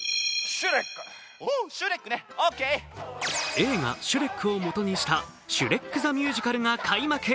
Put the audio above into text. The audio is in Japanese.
映画「シュレック」をもとにした「シュレック・ザ・ミュージカル」が開幕。